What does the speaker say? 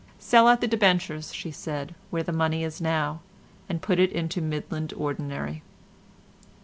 "Sell out the debentures," she said, "where the money now is—and put it into Midland Ordinary."